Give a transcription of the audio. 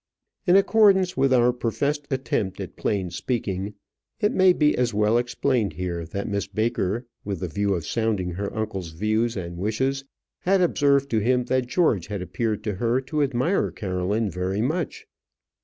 In accordance with our professed attempt at plain speaking, it may be as well explained here that Miss Baker, with the view of sounding her uncle's views and wishes, had observed to him that George had appeared to her to admire Caroline very much.